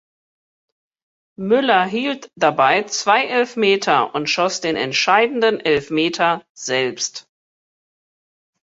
Müller hielt dabei zwei Elfmeter und schoss den entscheidenden Elfmeter selbst.